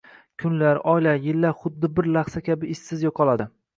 Kunlar, oylar, yillar xuddi bir lahza kabi izsiz yo‘qoladi.